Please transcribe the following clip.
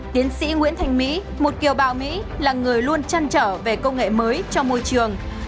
tiến sĩ nguyễn thành mỹ một kiều bào mỹ là người luôn chăn trở về công nghệ mới cho môi trường